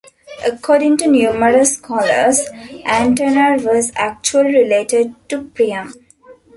According to numerous scholars, Antenor was actually related to Priam.